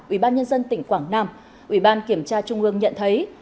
ủy ban nhân dân tỉnh quảng nam ủy ban kiểm tra trung ương nhận thấy